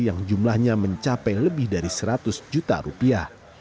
yang jumlahnya mencapai lebih dari seratus juta rupiah